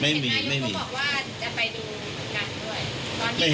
ไม่มีไม่มีตอนนี้ยังไม่มี